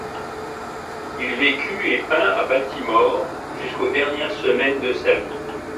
Il vécut et peint à Baltimore jusqu’aux dernières semaines de sa vie.